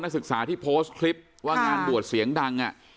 ศึกษาที่โพสต์คลิปว่างานบวชเสียงดัง